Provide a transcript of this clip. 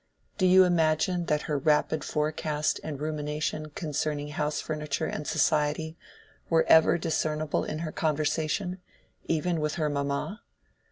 Do you imagine that her rapid forecast and rumination concerning house furniture and society were ever discernible in her conversation, even with her mamma?